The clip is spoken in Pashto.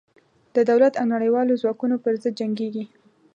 د دولت او نړېوالو ځواکونو پر ضد جنګېږي.